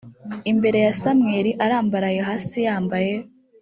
imbere ya samweli arambaraye hasi yambaye